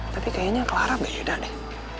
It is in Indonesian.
tapi kayaknya clara berbeda deh